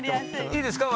いいですか？